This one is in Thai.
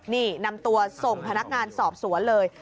นี่นำตัวส่งพนักงานสอบสวนเลย